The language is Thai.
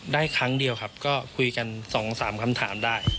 ได้ครั้งเดียวครับก็คุยกันสองสามคำถามได้